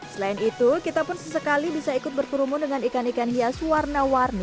selain itu kita pun sesekali bisa ikut berkerumun dengan ikan ikan hias warna warni